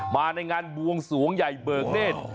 มาในงานบวงสวงใหญ่เบิกเนธ